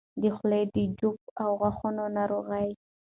د خولې د جوف او غاښونو ناروغۍ